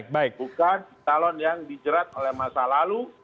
bukan calon yang dijerat oleh masa lalu